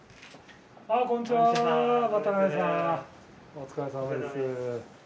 お疲れさまです。